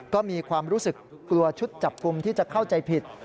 ก็มีความรู้สึกกลัวชุดจับกลุ่มที่จะเข้าใจผิด